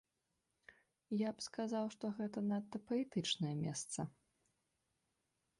Я б сказаў, што гэта надта паэтычнае месца.